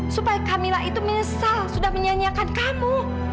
supaya kamila itu menyesal sudah menyanyiakan kamu